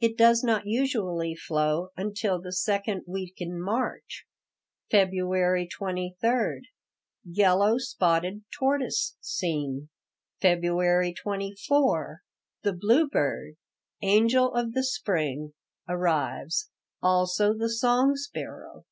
It does not usually flow until the second week in March. February 23 Yellow spotted tortoise seen. February 24 The bluebird, "angel of the spring," arrives; also the song sparrow.